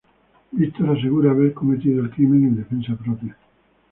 Victor asegura haber cometido el crimen en defensa propia.